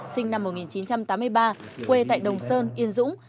sinh năm một nghìn chín trăm tám mươi ba quê tại đồng sơn yên dũng